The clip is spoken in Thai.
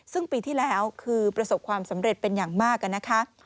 ซึ่งปีที่แล้วคือประสบความสำเร็จเป็นอย่างมากนะคะ